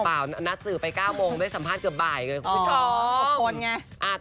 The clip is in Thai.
นัดสื่อไป๙โมงได้สัมภาษณ์เกือบบ่ายเลยคุณผู้ชม